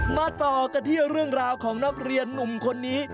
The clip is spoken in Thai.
มาต่อกันที่เรื่องราวของนักเรียนหนุ่มคนนี้